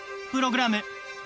プログラム